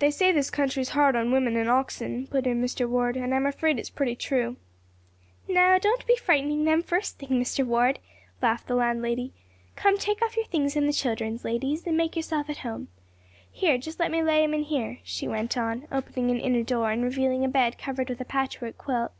"They say this country's hard on women and oxen," put in Mr. Ward, "and I'm afraid it's pretty true." "Now don't be frightening them first thing, Mr. Ward," laughed the landlady. "Come, take off your things and the children's, ladies, and make yourselves to home. Here, just let me lay 'em in here," she went on, opening an inner door and revealing a bed covered with a patch work quilt.